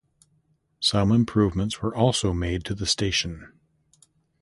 Some improvements were also made to the station.